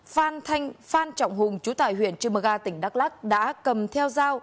phan trọng hùng chú tại huyện trư mờ ga tỉnh đắk lắc đã cầm theo dao